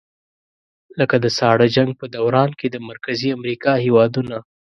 لکه د ساړه جنګ په دوران کې د مرکزي امریکا هېوادونه.